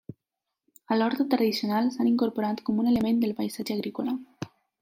A l’horta tradicional s'han incorporat com un element del paisatge agrícola.